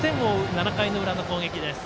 ７回の裏の攻撃です。